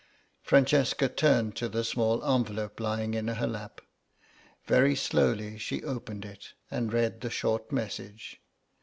Francesca turned to the small envelope lying in her lap; very slowly she opened it and read the short message.